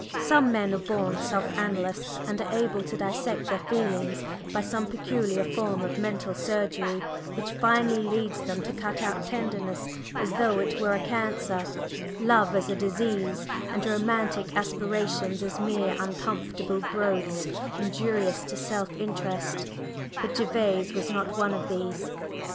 Some men are born self analysts, and are able to dissect their feelings by some peculiar form of mental surgery which finally leads them to cut out tenderness as though it were a cancer, love as a disease, and romantic aspirations as mere uncomfortable growths injurious to self interest, but Gervase was not one of these.